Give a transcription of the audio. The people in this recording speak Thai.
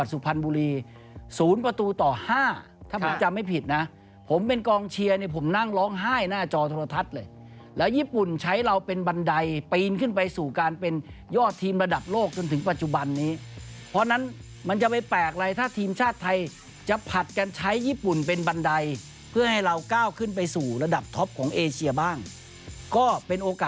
สุพรรณบุรีศูนย์ประตูต่อห้าถ้าผมจำไม่ผิดนะผมเป็นกองเชียร์เนี่ยผมนั่งร้องไห้หน้าจอโทรทัศน์เลยแล้วญี่ปุ่นใช้เราเป็นบันไดปีนขึ้นไปสู่การเป็นยอดทีมระดับโลกจนถึงปัจจุบันนี้เพราะฉะนั้นมันจะไปแปลกอะไรถ้าทีมชาติไทยจะผลัดกันใช้ญี่ปุ่นเป็นบันไดเพื่อให้เราก้าวขึ้นไปสู่ระดับท็อปของเอเชียบ้างก็เป็นโอกาส